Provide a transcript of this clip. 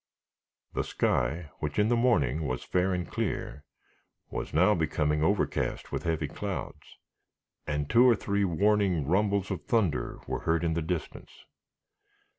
The sky, which in the morning was fair and clear, was now becoming overcast with heavy clouds, and two or three warning rumbles of thunder were heard in the distance.